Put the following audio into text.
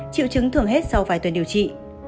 triệu chứng thường hết sau vài tuần điều trị